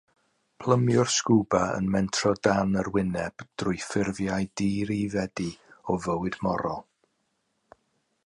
Plymiwr scwba yn mentro dan yr wyneb drwy ffurfiau dirifedi o fywyd morol.